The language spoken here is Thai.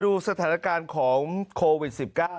ดูสถานการณ์ของโควิด๑๙